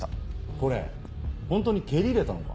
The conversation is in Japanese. これホントに蹴り入れたのか？